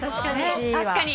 確かに。